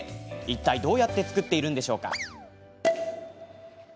いったい、どうやって造っているんでしょうか。